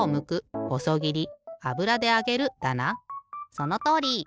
そのとおり！